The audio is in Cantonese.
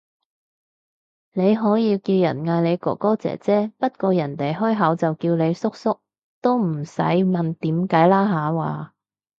你可以叫人嗌你哥哥姐姐，不過人哋開口就叫你叔叔，都唔使問點解啦下話